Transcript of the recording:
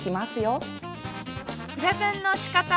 プレゼンのしかた。